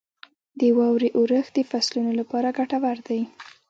• د واورې اورښت د فصلونو لپاره ګټور دی.